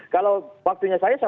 kalau waktunya saya sama pak